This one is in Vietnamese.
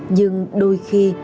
nhưng đôi khi